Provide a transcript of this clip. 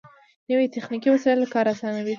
نوې تخنیکي وسایل کار آسانوي